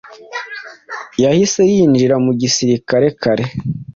yahise yinjira mu gisirikare.